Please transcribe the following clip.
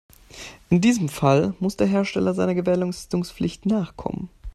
In diesem Fall muss der Hersteller seiner Gewährleistungspflicht nachkommen.